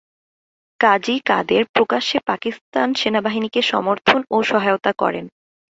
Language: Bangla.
কাজী কাদের প্রকাশ্যে পাকিস্তান সেনাবাহিনীকে সমর্থন ও সহায়তা করেন।